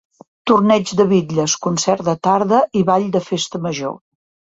Torneig de bitlles, concert de tarda i ball de festa major.